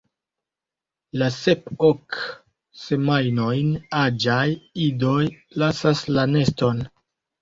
La sep–ok semajnojn aĝaj idoj lasas la neston.